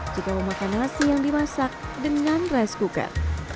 juga memakan nasi yang dimasak dengan rice cooker